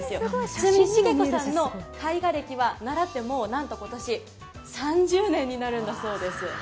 ちなみにしげ子さんの絵画歴は習ってもう、なんと今年３０年になるんだそうです。